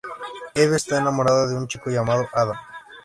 Eve está enamorada de un chico llamado Adam.